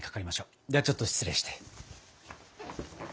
ではちょっと失礼して。